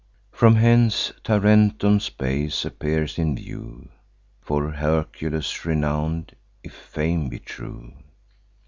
"From hence Tarentum's bay appears in view, For Hercules renown'd, if fame be true.